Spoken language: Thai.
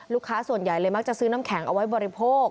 ส่วนใหญ่เลยมักจะซื้อน้ำแข็งเอาไว้บริโภค